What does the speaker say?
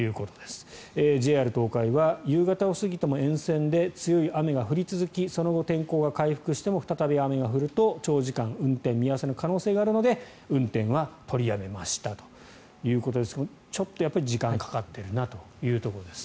ＪＲ東海は夕方を過ぎても沿線で強い雨が降り続きその後、天候が回復しても再び雨が降ると、長時間運転見合わせの可能性があるので運転は取りやめましたということですがちょっと時間がかかっているなというところです。